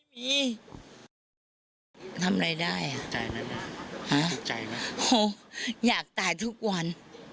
ทำอะไรได้หรอหาหรออยากตายทุกวัน